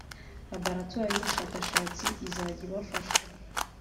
Laboratwari y’ubushakashatsi izajya ibafasha